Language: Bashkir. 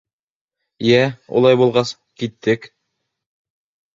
— Йә, улай булғас, киттек.